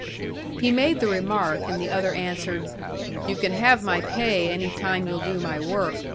He made the remark, and the other answered, "You can have my pay any time you'll do my work.